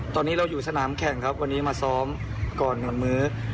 ตอนนี้เราอยู่สนามแข่งครับวันนี้มาซ้อมก่อนหมดมื้อ